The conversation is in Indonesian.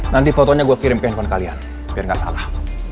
nanti fotonya gue kirim ke handphone kalian biar gak salah